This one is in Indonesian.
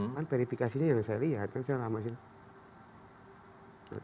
karena verifikasinya yang saya lihat kan saya lama sudah